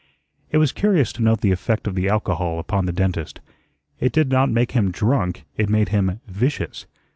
It was curious to note the effect of the alcohol upon the dentist. It did not make him drunk, it made him vicious.